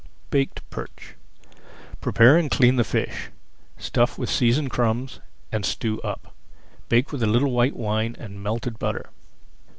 BAKED PERCH Prepare and clean the fish, stuff with seasoned crumbs, and sew up. Bake with a little white wine and melted butter.